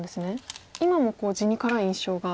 今も地に辛い印象が。